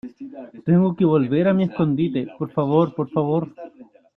tengo que volver a mi escondite, por favor. por favor .